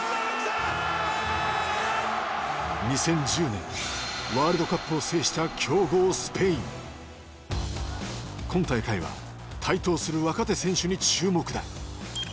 ２０１０年ワールドカップを制した強豪今大会は台頭する若手選手に注目だ。